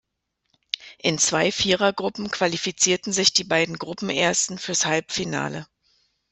In zwei Vierergruppen qualifizierten sich die beiden Gruppenersten fürs Halbfinale.